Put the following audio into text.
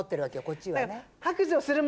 こっちはね。